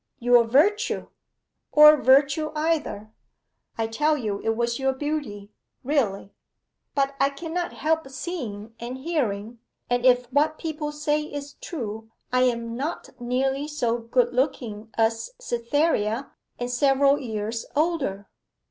'Your virtue.' 'Or virtue either.' 'I tell you it was your beauty really.' 'But I cannot help seeing and hearing, and if what people say is true, I am not nearly so good looking as Cytherea, and several years older.